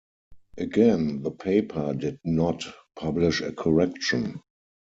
Again, the paper did not publish a correction.